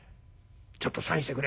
「ちょっとサインしてくれ」。